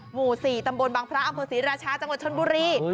หมู่๔ตำบลบังพระอำเภอศรีราชาจังหวัดชนบุรี